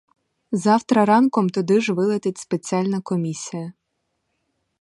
Завтра ранком туди ж вилетить спеціальна комісія.